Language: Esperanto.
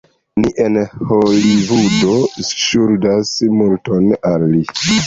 Ni en Holivudo ŝuldas multon al li.